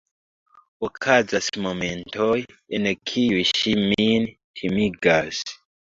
Okazas momentoj, en kiuj ŝi min timigas.